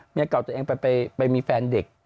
เก่าตัวเองไปมีแฟนเด็ก